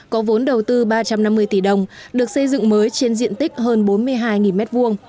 có vốn đầu tư ba trăm năm mươi tỷ đồng được xây dựng mới trên diện tích hơn bốn mươi hai m hai